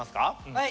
はい！